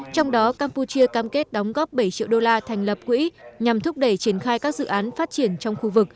trong đó campuchia cam kết đóng góp bảy triệu đô la thành lập quỹ nhằm thúc đẩy triển khai các dự án phát triển trong khu vực